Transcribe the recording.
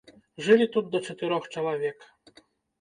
Жылі тут да чатырох чалавек.